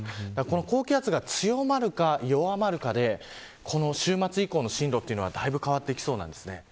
高気圧が強まるか、弱まるかで週末以降の進路がだいぶ変わってきそうです。